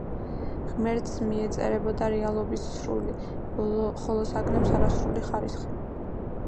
ღმერთს მიეწერებოდა რეალობის სრული, ხოლო საგნებს არასრული ხარისხი.